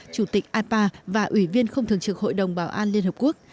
chủ tịch ipa và ủy viên không thường trực hội đồng bảo an liên hợp quốc